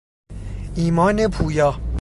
ایمان پویا